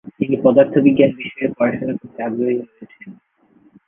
তিনি পদার্থবিজ্ঞান বিষয়ে পড়াশোনা করতে আগ্রহী হয়ে ওঠেন।